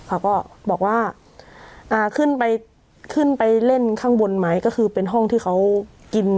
เขาก็บอกว่าอ่าขึ้นไปขึ้นไปเล่นข้างบนไหมก็คือเป็นห้องที่เขากิน